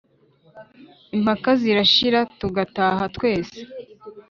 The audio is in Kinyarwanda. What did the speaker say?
impaka zirashira tugataha twese